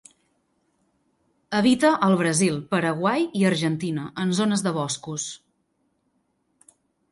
Habita al Brasil, Paraguai i Argentina, en zones de boscos.